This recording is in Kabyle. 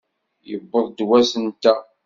Yewweḍ-d wass-nteɣ!